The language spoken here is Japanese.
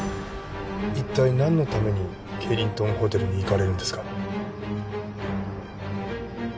一体なんのためにケイリントンホテルに行かれるんですか？